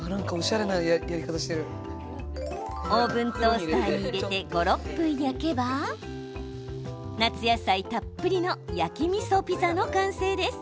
オーブントースターに入れて５、６分焼けば夏野菜たっぷりの焼きみそピザの完成です。